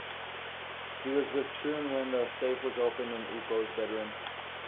He was with Troon when the safe was opened in Ouko's bedroom.